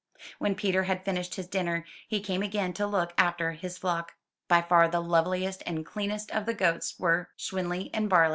When Peter had finished his dinner, he came again to look after his flock. By far the loveliest and cleanest of the goats were Schwanli and Barli.